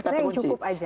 maksudnya yang cukup aja